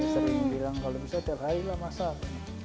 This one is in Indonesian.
sering bilang kalau misalnya tiap hari lah masak